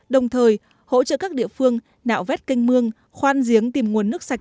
đồng thời hỗ trợ các địa phương nạo vét canh mương khoan giếng tìm nguồn nước sạch